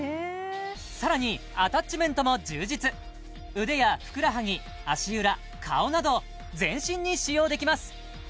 さらにアタッチメントも充実腕やふくらはぎ足裏顔など全身に使用できます